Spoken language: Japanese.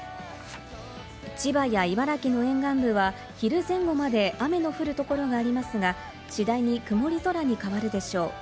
千葉や茨城の沿岸部は昼前後まで雨の降るところがありますが、次第に曇り空に変わるでしょう。